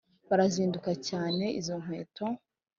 barazikunda cyane izo nkweto